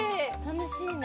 楽しいね。